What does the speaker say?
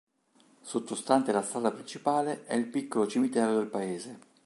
Sottostante la strada principale è il piccolo cimitero del paese.